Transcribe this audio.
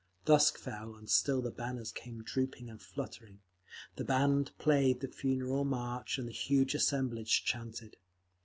Dusk fell, and still the banners came drooping and fluttering, the band played the Funeral March, and the huge assemblage chanted.